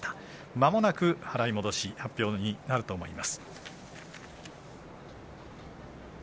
まもなく払い戻し発表になると思います。